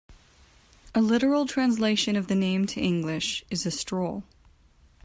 A literal translation of the name to English is "a stroll".